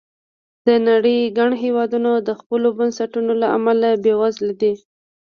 د نړۍ ګڼ هېوادونه د خپلو بنسټونو له امله بېوزله دي.